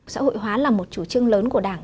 xã hội hóa là một chủ trương lớn của đảng